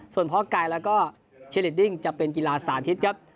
ส่วนพ่อไก่แล้วก็เชลิดดิ้งจะเป็นกีฬาสาธิตครับ